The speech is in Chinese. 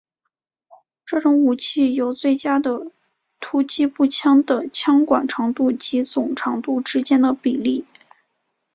这种武器有最佳的突击步枪的枪管长度及总长度之间的比例。